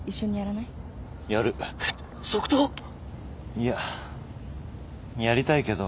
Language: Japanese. いややりたいけど。